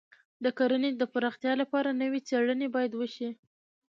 د کرنې د پراختیا لپاره نوې څېړنې باید وشي.